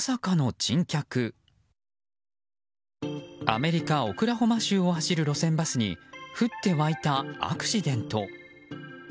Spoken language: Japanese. アメリカ・オクラホマ州を走る路線バスに降ってわいたアクシデント。